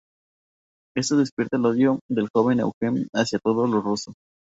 Esto despierta el odio del joven Eugen hacía todo lo ruso.